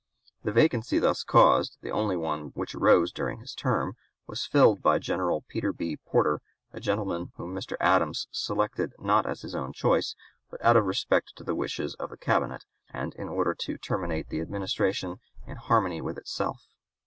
The vacancy thus caused, the only one which arose during his term, was filled by General Peter B. Porter, a gentleman whom Mr. Adams selected not as his own choice, but out of respect to the wishes of the Cabinet, and in order to "terminate the Administration in harmony with itself."